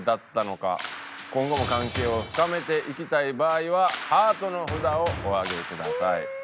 今後も関係を深めていきたい場合はハートの札をお上げください。